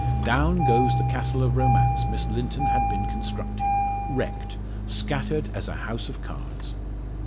Down goes the castle of romance Miss Linton has been constructing wrecked scattered as a house of cards.